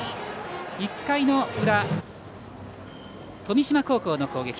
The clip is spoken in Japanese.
１回の裏、富島高校の攻撃。